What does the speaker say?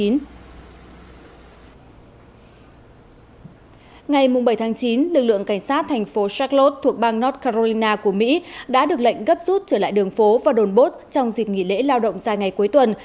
ngày bảy chín lực lượng cảnh sát thành phố charles thuộc bang north carolina của mỹ đã được lệnh gấp rút trở lại đường phố và đồn bốt trong dịp nghỉ lễ lao động dài ngày cuối tuần